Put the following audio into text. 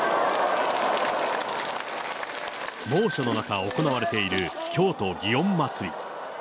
猛暑の中、行われている京都・祇園祭。